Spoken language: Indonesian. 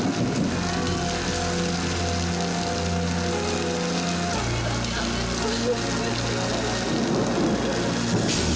siang ada belas belas